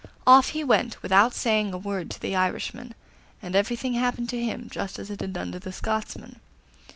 Off he went without saying a word to the Irishman, and everything happened to him just as it had done to the Scotsman.